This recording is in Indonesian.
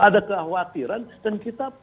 ada kekhawatiran dan kita